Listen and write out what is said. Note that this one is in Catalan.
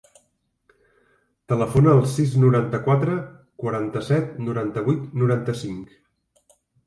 Telefona al sis, noranta-quatre, quaranta-set, noranta-vuit, noranta-cinc.